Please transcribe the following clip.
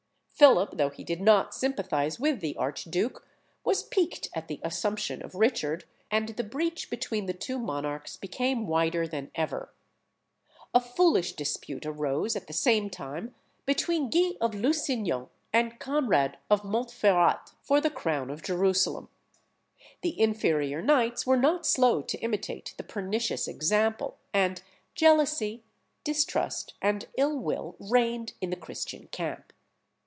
Philip, though he did not sympathise with the archduke, was piqued at the assumption of Richard, and the breach between the two monarchs became wider than ever. A foolish dispute arose at the same time between Guy of Lusignan and Conrad of Montferrat for the crown of Jerusalem. The inferior knights were not slow to imitate the pernicious example, and jealousy, distrust, and ill will reigned in the Christian camp.